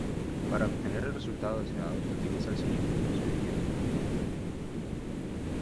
Para obtener el resultado deseado se utiliza el siguiente procedimiento.